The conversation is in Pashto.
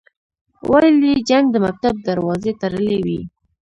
ویل یې جنګ د مکتب دروازې تړلې وې.